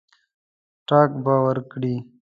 ټګ به ورکړي.